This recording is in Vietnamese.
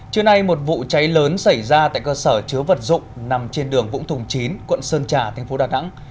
trưa nay một vụ cháy lớn xảy ra tại cơ sở chứa vật dụng nằm trên đường vũng thùng chín quận sơn trà thành phố đà nẵng